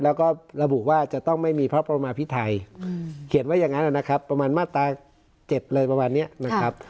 แล้วก็ระบุว่าจะต้องไม่มีพระประมาพิไทยเขียนไว้อย่างนั้นนะครับประมาณมาตรา๗เลยประมาณนี้นะครับ